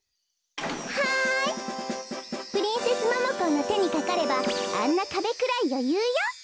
はいプリンセスモモコーのてにかかればあんなかべくらいよゆうよ。